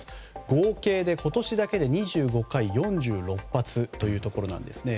合計で今年だけで２５回４６発というところです。